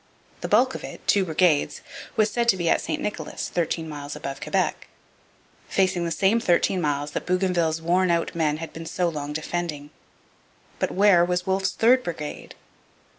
The bulk of it, two brigades, was said to be at St Nicholas, thirteen miles above Quebec, facing the same thirteen miles that Bougainville's worn out men had been so long defending. But where was Wolfe's third brigade?